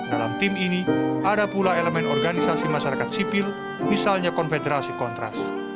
dalam tim ini ada pula elemen organisasi masyarakat sipil misalnya konfederasi kontras